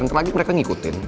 ntar lagi mereka ngikutin